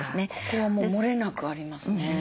ここはもうもれなくありますね。